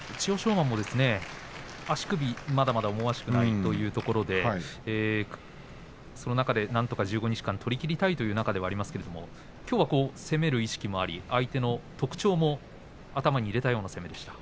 馬も足首がまだまだ思わしくないというところでその中でなんとか１５日間取りきりたいというところではありますがきょうは攻める意識もあり相手の特徴も頭に入れたような攻めでした。